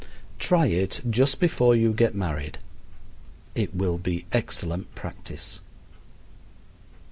Try it just before you get married. It will be excellent practice.